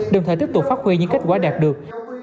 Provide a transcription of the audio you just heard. đồng thời tiếp tục phát huy những kết quả đạt được